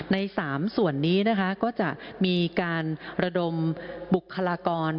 ใน๓ส่วนนี้นะคะก็จะมีการระดมบุคลากร